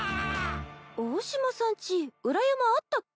尾々島さんち裏山あったっけ？